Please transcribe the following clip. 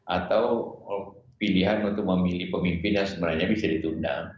atau pilihan untuk memilih pemimpin yang sebenarnya bisa ditunda